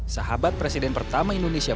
sahabat presiden pertama indonesia